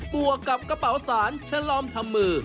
วกกับกระเป๋าสารชะลอมทำมือ